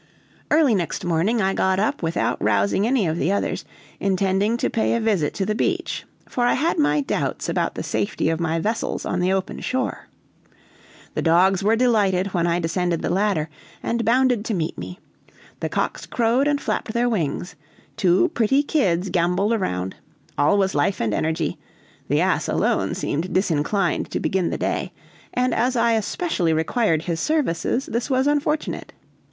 Early next morning I got up without rousing any of the others, intending to pay a visit to the beach; for I had my doubts about the safety of my vessels on the open shore. The dogs were delighted when I descended the ladder, and bounded to meet me; the cocks crowed and flapped their wings; two pretty kids gamboled around; all was life and energy; the ass alone seemed disinclined to begin the day, and as I especially required his services, this was unfortunate.